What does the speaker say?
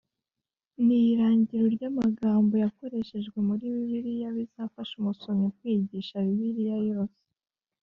n irangiro ry amagambo yakoreshejwe muri Bibiliya bizafasha umusomyi kwiyigisha Bibiliya yose